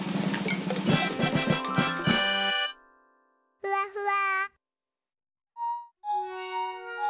ふわふわ。